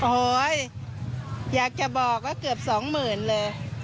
โอ๊ยอยากจะบอกว่าเกือบ๒๐๐๐๐บาทเลย